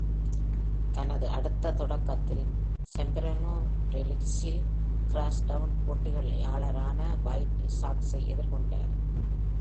தனது அடுத்த தொடக்கத்தில், சாம்பிரானோ ரிக்லியில் கிராஸ் டவுன் போட்டியாளரான வைட் சாக்ஸை எதிர்கொண்டார்.